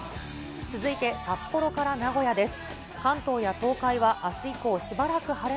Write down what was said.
続いて札幌から名古屋です。